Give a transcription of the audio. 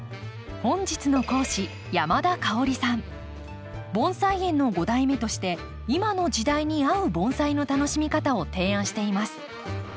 本日の講師盆栽園の５代目として今の時代に合う盆栽の楽しみ方を提案しています。